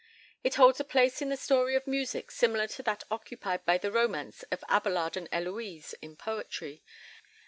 It holds a place in the story of music similar to that occupied by the romance of Abelard and Heloise in poetry.